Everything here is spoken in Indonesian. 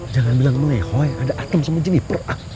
jangan bilang melehoi ada atem sama jennifer